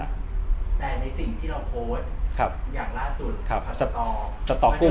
แต่ในสิ่งที่เราโพสต์อย่างล่าสุด